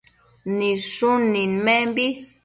Nidshun nidmenbi